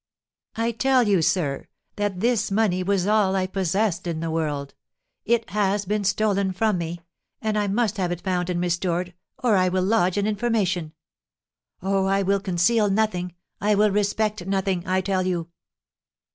"I tell you, sir, that this money was all I possessed in the world; it has been stolen from me, and I must have it found and restored, or I will lodge an information. Oh, I will conceal nothing I will respect nothing I tell you!"